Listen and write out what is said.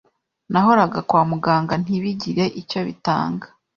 nahoraga kwa muganga ntibigire icyo bitanga,